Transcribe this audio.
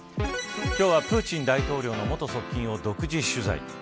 今日はプーチン大統領の元側近を独自取材。